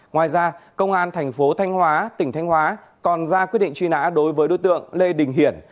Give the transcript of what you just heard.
ngoài ra công an thành phố thanh hóa tỉnh thanh hóa còn ra quyết định truy nã đối với đối tượng lê đình hiển